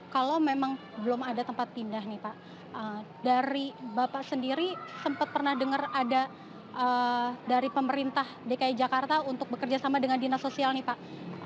kalau memang belum ada tempat pindah nih pak dari bapak sendiri sempat pernah dengar ada dari pemerintah dki jakarta untuk bekerjasama dengan dinas sosial nih pak